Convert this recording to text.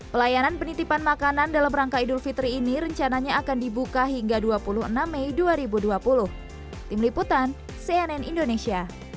pelayanan penitipan makanan dalam rangka idul fitri ini rencananya akan dibuka hingga dua puluh enam mei dua ribu dua puluh